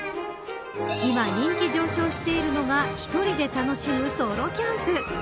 今、人気上昇しているのが１人で楽しむソロキャンプ。